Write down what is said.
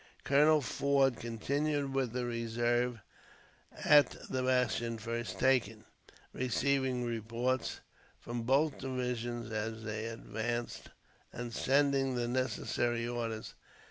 Colonel Forde continued with the reserve at the bastion first taken, receiving reports from both divisions as they advanced, and sending the necessary orders.